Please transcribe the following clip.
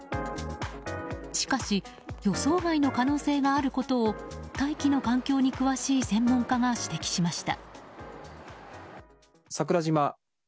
しかし予想外の可能性があることを大気の環境に詳しい専門家が指摘しました。